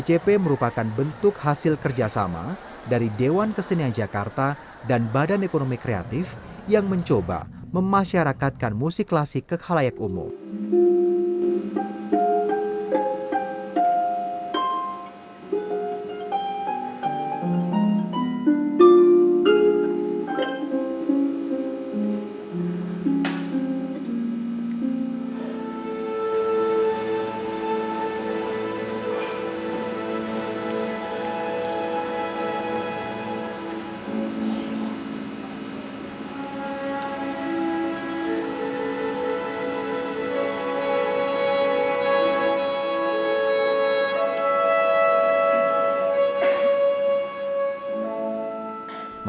jcp merupakan bentuk hasil kerjasama dari dewan kesenian jakarta dan badan ekonomi kreatif yang mencoba memasyarakatkan musik klasik ke halayak umum